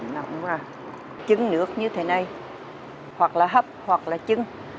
trứng nước như thế này hoặc là hấp hoặc là trứng